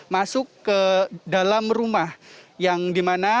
masuk ke dalam rumah yang dimana